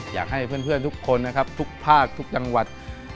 อยากให้เพื่อนทุกคนนะครับทุกภาคทุกจังหวัด